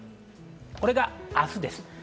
これが明日です。